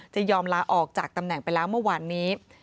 จะยอมลาออกจากตำแหน่งไปแล้วเมื่อวานนี้